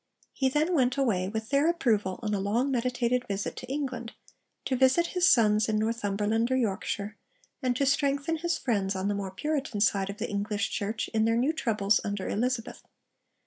He then went away, with their approval, on a long meditated visit to England, to visit his sons in Northumberland or Yorkshire, and to strengthen his friends on the more Puritan side of the English Church in their new troubles under Elizabeth.